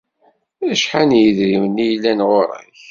Acḥal n yidrimen i yellan ɣur-k?